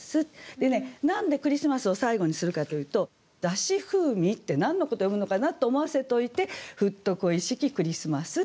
でね何で「クリスマス」を最後にするかというと「だし風味」って何のこと詠むのかなと思わせておいて「ふっと恋しきクリスマス」って。